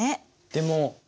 でも。